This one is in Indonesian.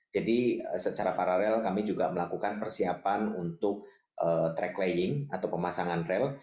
jadi secara paralel kami juga melakukan persiapan untuk track laying atau pemasangan rail